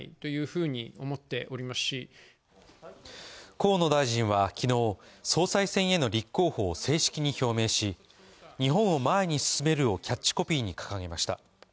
河野大臣は昨日、総裁選への立候補を正式に表明し、日本を前に進めるをキャッチコピーに掲げました。